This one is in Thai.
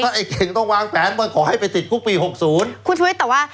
ไอ้เก่งต้องวางแผนว่าขอให้ไปติดคุกปีหกศูนย์คุณชุวิตแต่ว่า